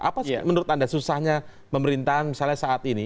apa menurut anda susahnya pemerintahan misalnya saat ini